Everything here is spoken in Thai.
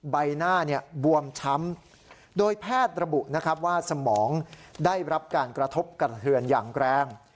ใบหน้าเนี่ยบวมช้ำโดยแพทย์ระบุนะครับว่าสมองได้รับการกระทบกระเทือนอย่างแรง